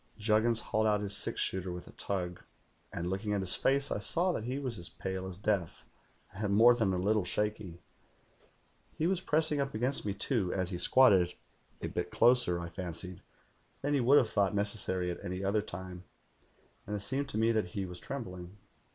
"Juggins hauled out his six shooter with a tug, and looking at his face, I saw that he was as pale as death and more than a little shaky. He was pressing up against me, too, as he squatted, a bit closer, I fancied, than he would have thought necessary at any other time, and it seemed to me that he was trembling.